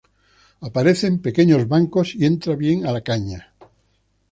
Aparece en pequeños bancos y entra bien a la caña.